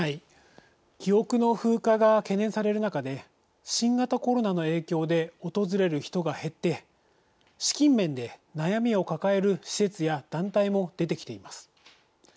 記憶の風化が懸念される中新型コロナの影響で訪れる人が減って資金面で悩みを抱える施設や団体も出てきています。